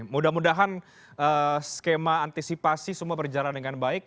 mudah mudahan skema antisipasi semua berjalan dengan baik